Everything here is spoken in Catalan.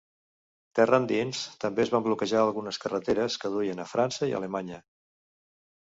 Terra endins, també es van bloquejar algunes carreteres que duien a França i Alemanya.